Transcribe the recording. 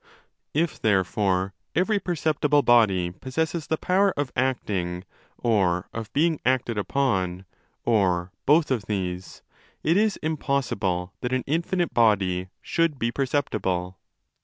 5 If therefore every perceptible body possesses the power of acting or of being acted upon, or both of these, it is im possible that an infinite body should be perceptible.